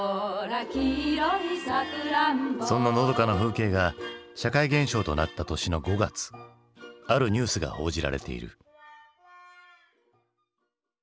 そんなのどかな風景が社会現象となった年の５月あるニュースが報じられている。